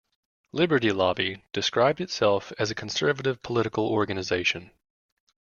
Liberty Lobby described itself as a conservative political organization.